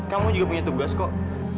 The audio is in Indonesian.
kamu juga punya tugas kok